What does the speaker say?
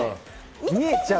見えちゃう。